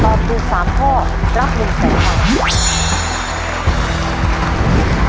ตอบถูกสามข้อรับหนึ่งแปลก